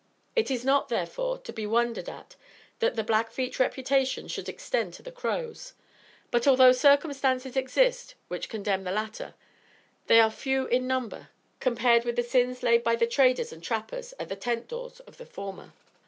It is not, therefore, to be wondered at that the Blackfeet reputation should extend to the Crows; but, although circumstances exist which condemn the latter, they are few in number compared with the sins laid by the traders and trappers at the tent doors of the former.